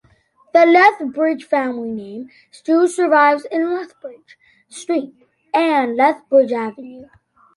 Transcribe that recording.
The Lethbridge family name still survives in Lethbridge Street and Lethbridge Avenue.